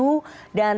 dan terjadi polisi